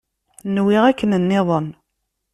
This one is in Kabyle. Nwiɣ akken nniḍen.